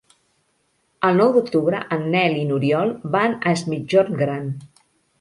El nou d'octubre en Nel i n'Oriol van a Es Migjorn Gran.